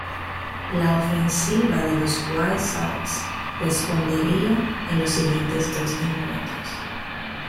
La ofensiva de los White Sox respondería en los siguientes dos encuentros.